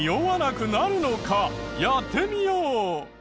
やってみよう！